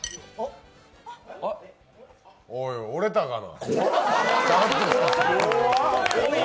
おい、折れたがな。